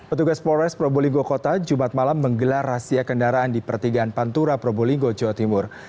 petugas polres probolinggo kota jumat malam menggelar razia kendaraan di pertigaan pantura probolinggo jawa timur